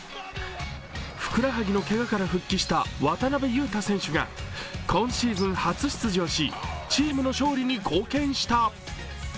ふくらはぎのけがから復帰した渡邊雄太選手が今シーズン初出場し、チームの勝利に貢献した。